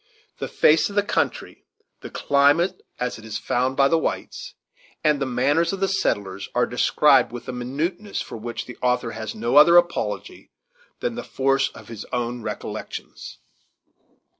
The face of the country, the climate as it was found by the whites, and the manners of the settlers, are described with a minuteness for which the author has no other apology than the force of his own recollections.